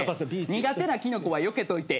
「苦手なキノコはよけといて」